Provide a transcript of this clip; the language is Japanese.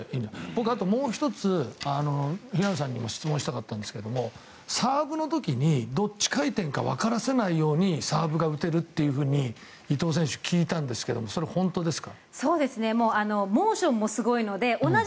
もう１つ、平野さんに質問したかったんですけどサーブの時にどっち回転かわからせないようにサーブが打てるって伊藤選手聞いたんですけどそれって本当ですか？